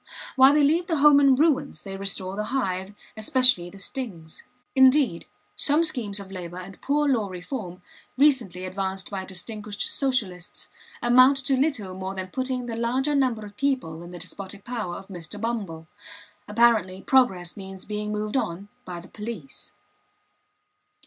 While they leave the home in ruins, they restore the hive, especially the stings. Indeed, some schemes of labor and Poor Law reform recently advanced by distinguished Socialists, amount to little more than putting the largest number of people in the despotic power of Mr. Bumble. Apparently, progress means being moved on by the police.